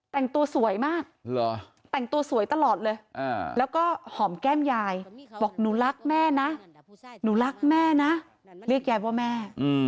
แต่งตัวสวยมากแต่งตัวสวยตลอดเลยแล้วก็หอมแก้มยายบอกหนูรักแม่นะหนูรักแม่นะเรียกยายว่าแม่